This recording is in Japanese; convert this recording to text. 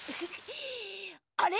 あれ？